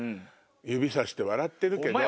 指さして笑ってるけど。